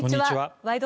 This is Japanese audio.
「ワイド！